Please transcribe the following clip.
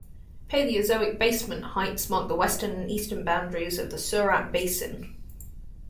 Palaeozoic basement highs mark the western and eastern boundaries of the Surat Basin.